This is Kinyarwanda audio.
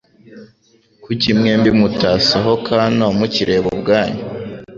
Kuki mwembi mutasohoka hano mukireba ubwanyu?